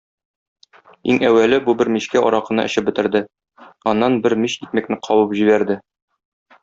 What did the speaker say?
Иң әүвәле бу бер мичкә аракыны эчеп бетерде, аннан бер мич икмәкне кабып җибәрде.